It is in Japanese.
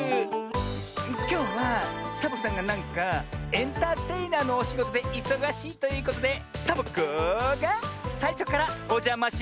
きょうはサボさんがなんかエンターテイナーのおしごとでいそがしいということでサボ子がさいしょからおじゃましマンボーしてます！